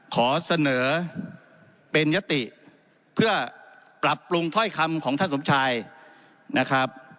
ขอเสนอเป็นยติเพื่อปรับปรุงถ้อยคำของท่านสมชายนะครับ